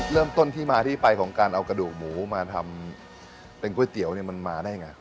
เริ่มต้นที่มาที่ไปของการเอากระดูกหมูมาทำเป็นก๋วยเตี๋ยวเนี่ยมันมาได้ไง